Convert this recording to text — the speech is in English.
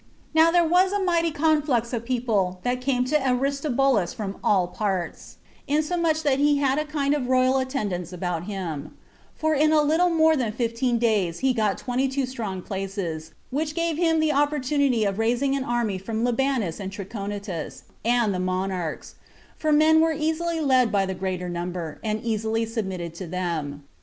46 Now there was a mighty conflux of people that came to Aristobulus from all parts, insomuch that he had a kind of royal attendants about him; for in a little more than fifteen days he got twenty two strong places, which gave him the opportunity of raising an army from Libanus and Trachonitis, and the monarchs; for men are easily led by the greater number, and easily submit to them.